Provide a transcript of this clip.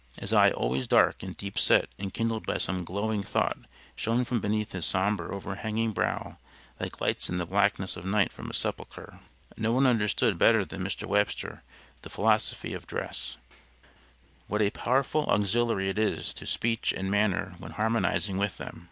His eye always dark and deep set enkindled by some glowing thought shown from beneath his somber overhanging brow like lights in the blackness of night from a sepulcher. No one understood better than Mr. Webster the philosophy of dress; what a powerful auxiliary it is to speech and manner when harmonizing with them.